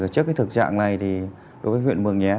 trước thực trạng này đối với huyện mường nhé